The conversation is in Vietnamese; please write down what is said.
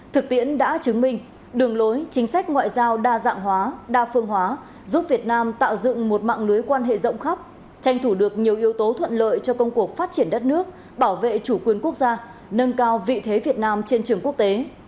thực tiễn đã chứng minh đường lối chính sách ngoại giao đa dạng hóa đa phương hóa giúp việt nam tạo dựng một mạng lưới quan hệ rộng khắp tranh thủ được nhiều yếu tố thuận lợi cho công cuộc phát triển đất nước bảo vệ chủ quyền quốc gia nâng cao vị thế việt nam trên trường quốc tế